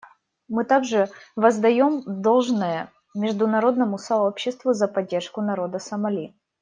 Мы также воздаем должное международному сообществу за поддержку народа Сомали.